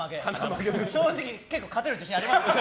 正直、結構勝てる自信ありますよ。